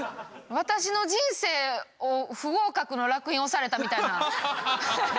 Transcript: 私の人生を不合格のらく印押されたみたいな。